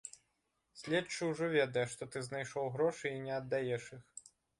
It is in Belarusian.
Следчы ўжо ведае, што ты знайшоў грошы і не аддаеш іх.